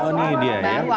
oh ini dia ya